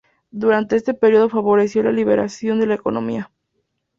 Durante ese período favoreció la liberalización de la economía.